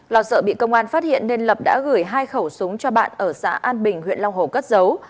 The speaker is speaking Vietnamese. lo sợ bị công an phát hiện nên lập đã gửi hai khẩu súng cho bạn ở xã an bình huyện long hồ cất dấu